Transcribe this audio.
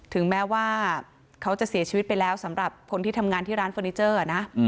ถึงแม้ว่าเขาจะเสียชีวิตไปแล้วสำหรับคนที่ทำงานที่ร้านเฟอร์นิเจอร์นะ